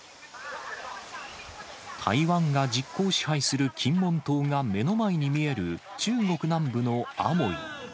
台湾が実効支配する金門島が目の前に見える中国南部の厦門。